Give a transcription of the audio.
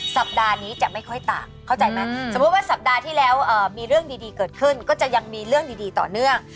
สัปดาห์นี้จะไม่ค่อยต่างเข้าใจไหมสมมุติว่าสัปดาห์ที่แล้วมีเรื่องดีเกิดขึ้นก็จะยังมีเรื่องดีต่อเนื่อง